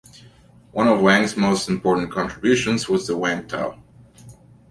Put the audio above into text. One of Wang's most important contributions was the Wang tile.